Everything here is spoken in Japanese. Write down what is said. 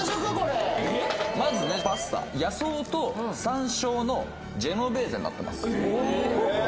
まずねパスタ野草と山椒のジェノベーゼになってますえ！